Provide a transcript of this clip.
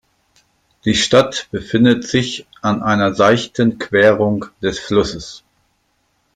Die Stadt befindet sich an einer seichten Querung des Flusses.